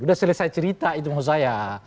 sudah selesai cerita itu maksud saya